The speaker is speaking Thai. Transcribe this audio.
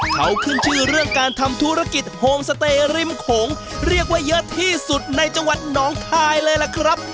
เขาขึ้นชื่อเรื่องการทำธุรกิจโฮมสเตย์ริมโขงเรียกว่าเยอะที่สุดในจังหวัดหนองคายเลยล่ะครับ